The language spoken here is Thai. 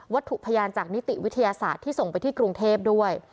ถูกพยานจากนิติวิทยาศาสตร์ที่ส่งไปที่กรุงเทพด้วย